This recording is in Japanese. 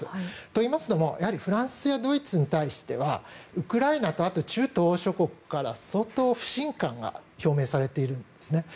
といいますのもフランスやドイツに対してはウクライナと中東欧諸国から相当、不信感が表明されているんですね。